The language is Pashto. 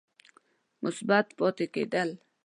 مثبت پاتې کېد ل